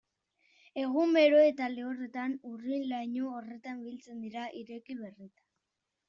Egun bero eta lehorretan urrin-laino horretan biltzen dira, ireki berritan.